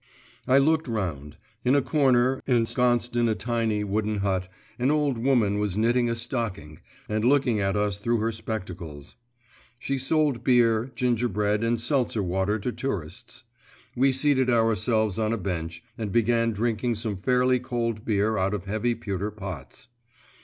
I looked round. In a corner, ensconced in a tiny, wooden hut, an old woman was knitting a stocking, and looking at us through her spectacles. She sold beer, gingerbread, and seltzer water to tourists. We seated ourselves on a bench, and began drinking some fairly cold beer out of heavy pewter pots.